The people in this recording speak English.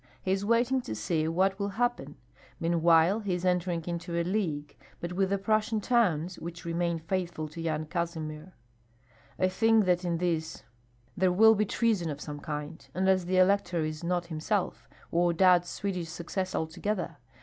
He is waiting to see what will happen; meanwhile he is entering into a league, but with the Prussian towns, which remain faithful to Yan Kazimir. I think that in this there will be treason of some kind, unless the elector is not himself, or doubts Swedish success altogether.